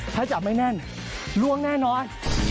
ถ้าจับไม่แน่นล่วงแน่นอน